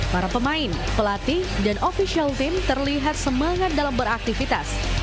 para pemain pelatih dan official team terlihat semangat dalam beraktivitas